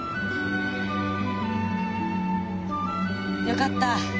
よかった。